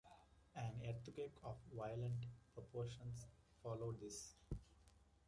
An earthquake of violent proportions followed this.